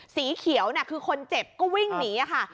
สีเขียวคือคนเจ็บก็วิ่งหนีค่ะ